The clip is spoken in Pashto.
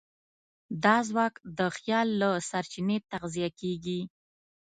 دا ځواک د خیال له سرچینې تغذیه کېږي.